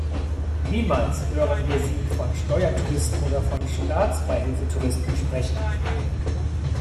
Niemals hören wir sie von "Steuertouristen" oder von "Staatsbeihilfetouristen" sprechen.